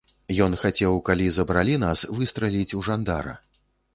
Ён хацеў, калі забіралі нас, выстраліць у жандара.